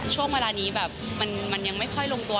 ช่วงเวลานี้แบบมันยังไม่ค่อยลงตัว